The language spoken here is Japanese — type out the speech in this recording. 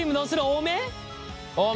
多め。